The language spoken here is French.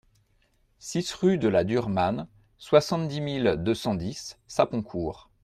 six rue de la Duremanne, soixante-dix mille deux cent dix Saponcourt